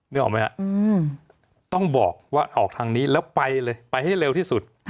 นึกออกไหมฮะต้องบอกว่าออกทางนี้แล้วไปเลยไปให้เร็วที่สุด